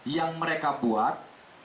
yang mereka buat